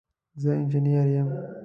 زه انجنیر یم